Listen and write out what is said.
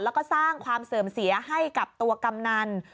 แล้วก็สร้างความเสื่อมเสียให้กับตัวกำนัน